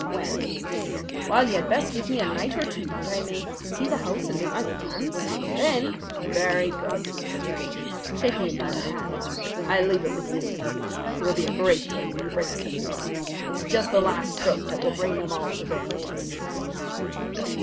"When?" "Well, you had best give me a night or two that I may see the house and make my plans. Then " "Very good," said McGinty, shaking him by the hand. "I leave it with you. It will be a great day when you bring us the news. It's just the last stroke that will bring them all to their knees."